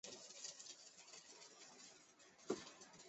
萧恩舞团及舞蹈学校等。